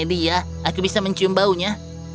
dia aku bisa mencium baunya